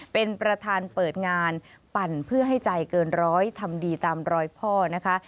เป็นประธานเปิดงานปั่นเพื่อให้ใจเกินร้อยทำดีตามรอยพ่อนะคะ